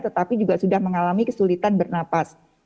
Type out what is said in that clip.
tetapi juga sudah mengalami kesulitan bernapas